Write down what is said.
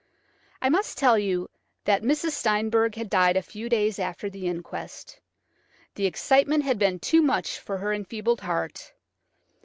I must tell you that Mrs. Steinberg had died a few days after the inquest. The excitement had been too much for her enfeebled heart.